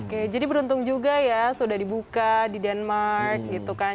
oke jadi beruntung juga ya sudah dibuka di denmark gitu kan